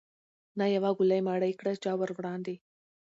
نه یوه ګوله مړۍ کړه چا وروړاندي